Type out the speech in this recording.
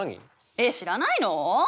えっ知らないの？